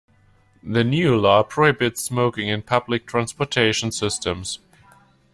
The new law prohibits smoking in public transportation systems.